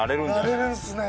慣れるんですね。